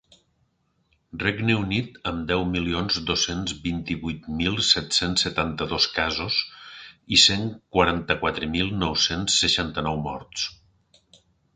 Regne Unit, amb deu milions dos-cents vint-i-vuit mil set-cents setanta-dos casos i cent quaranta-quatre mil nou-cents seixanta-nou morts.